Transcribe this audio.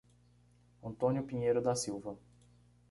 Antônio Pinheiro da Silva